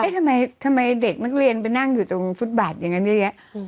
ทำไมเด็กนักเรียนมันนั่งอยู่ตรงฟุตบาทอย่างเงี้ย